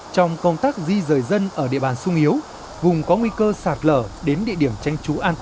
trong công tác di rời diễn